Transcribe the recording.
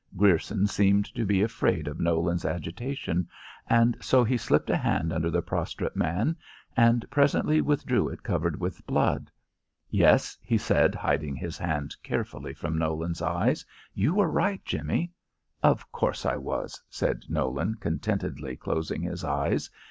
Grierson seemed to be afraid of Nolan's agitation, and so he slipped a hand under the prostrate man, and presently withdrew it covered with blood. "Yes," he said, hiding his hand carefully from Nolan's eyes, "you were right, Jimmie." "Of course I was," said Nolan, contentedly closing his eyes.